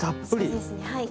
そうですねはい。